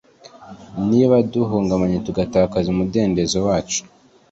niba duhungabanye tugatakaza umudendezo wacu,